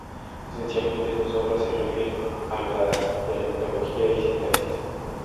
Esencialmente sus obras se refieren a dialectología y sintaxis.